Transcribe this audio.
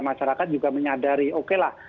masyarakat juga menyadari oke lah